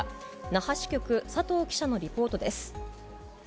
那覇支局、佐藤記者のリポートです。